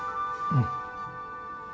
うん。